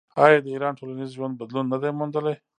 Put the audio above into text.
آیا د ایران ټولنیز ژوند بدلون نه دی موندلی؟